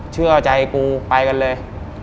เชื่อใจกูไปกันเลย